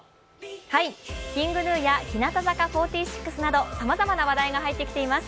ＫｉｎｇＧｎｕや日向坂４６などさまざまな話題が入ってきています。